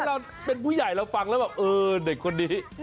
เราเป็นผู้ใหญ่เราฟังแล้วแบบเออเด็กคนนี้